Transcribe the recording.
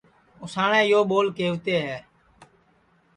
اُساٹؔے یو ٻول کَیوتے ہے